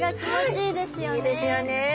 いいですよね。